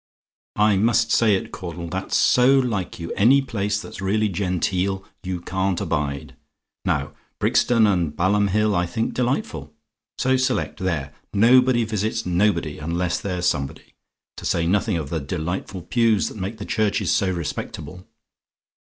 "I must say it, Caudle, that's so like you: any place that's really genteel you can't abide. Now Brixton and Baalam Hill I think delightful. So select! There, nobody visits nobody, unless they're somebody. To say nothing of the delightful pews that make the churches so respectable!